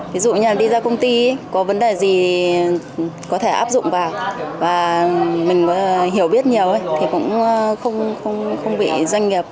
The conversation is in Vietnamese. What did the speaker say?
ví dụ như là đi ra công ty có vấn đề gì có thể áp dụng vào và mình hiểu biết nhiều thì cũng không bị doanh nghiệp